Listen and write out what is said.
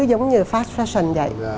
giống như fast fashion vậy